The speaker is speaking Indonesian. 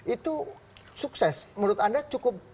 itu sukses menurut anda cukup